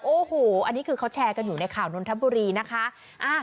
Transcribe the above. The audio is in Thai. โอ้โหอันนี้คือเขาแชร์กันอยู่ในข่าวนนทบุรีนะคะ